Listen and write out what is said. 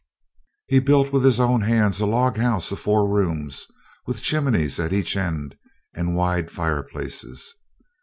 He built with his own hands a log house of four rooms, with chimneys at each end, and wide fireplaces.